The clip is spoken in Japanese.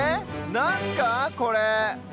なんすかこれ？